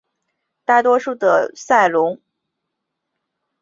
大多数的赛隆科技发展在生物工程学和合成生物学而非机器人工学上。